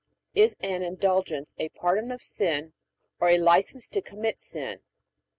Is an Indulgence a pardon of sin, or a license to commit sin? A.